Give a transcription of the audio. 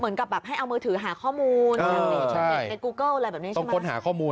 เหมือนกับแบบให้เอาเมอร์ถือหาข้อมูล